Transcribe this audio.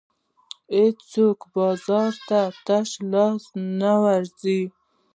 هېڅوک بازار ته تش لاس نه ورځي.